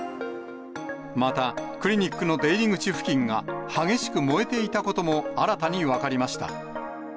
また、クリニックの出入り口付近が激しく燃えていたことも新たに分かりました。